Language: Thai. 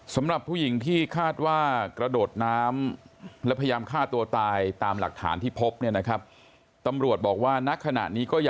สำหรับผู้หญิงที่คาดว่ากระโดดน้ำและพยายามฆ่าตัวตายตามหลักฐานที่พบเนี่ยนะครับ